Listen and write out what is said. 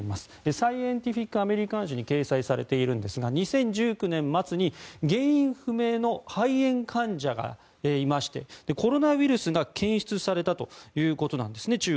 「サイエンティフィック・アメリカン」誌に掲載されているんですが２０１９年末に原因不明の肺炎患者がいましてコロナウイルスが中国で検出されたということなんです。